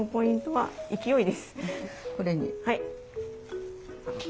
はい。